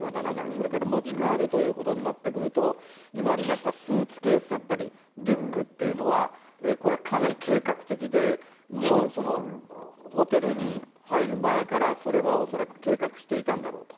それから持ち帰るということになってくると、今ありましたスーツケースだったり、リュックっていうのは、これはかなり計画的で、もうホテルに入る前からそれは恐らく計画していたんだろうと。